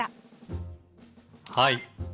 「はい。